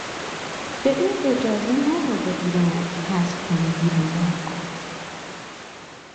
به او اجازه نداده بودند که از خانه بیرون برود.